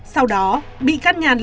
sau đó bị can nhàn lấy tiền